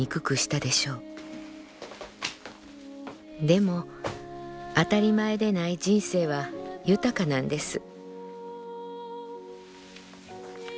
でも当たり前で無い人生は豊かなんです」。